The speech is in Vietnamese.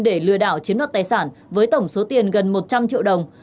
để lừa đảo chiếm đoạt tài sản với tổng số tiền gần một trăm linh triệu đồng